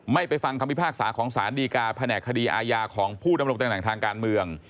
ไปฟังคำพิพากษาของสารดีการแผนกคดีอาญาของผู้ดำรงตำแหน่งทางการเมือง